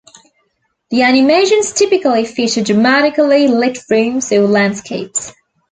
The animations typically feature dramatically-lit rooms or landscapes.